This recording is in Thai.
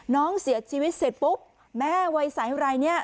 น้องเสียชีวิตเสร็จปุ๊บแม่วัยสายอะไรเนี่ย